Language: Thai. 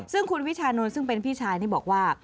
ซึ่งคุณวิชานนท์ซึ่งเป็นพี่ชายนี่บอกว่า